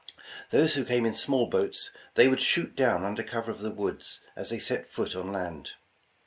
Those who came in small boats they would shoot down under cover of the woods as they set foot on land.